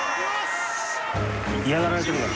嫌がられてるから。